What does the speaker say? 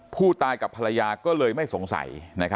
ผู้ตายกับภรรยาก็เลยไม่สงสัย